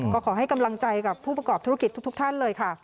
ก็ขอให้กำลังใจกับผู้ประกอบธุรกิจทุกท่านเลยค่ะ